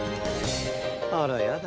あらやだ。